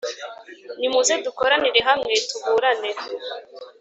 Nimuze dukoranire hamwe, tuburane!